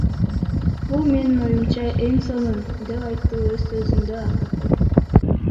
Бул менин оюмча эн сонун, — деп айтты оз созундо Артыков.